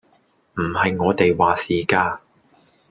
唔係我哋話事㗎